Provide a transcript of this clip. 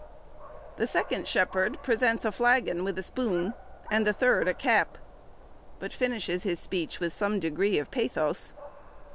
The second Shepherd presents a flagon with a spoon, and the third a cap, but finishes his speech with some degree of pathos.